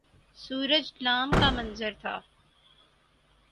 سورج ل کا منظر تھا